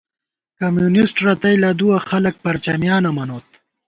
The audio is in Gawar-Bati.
کمیونسٹ رتئ لدُوَہ ، خلک پرچمیانہ منوت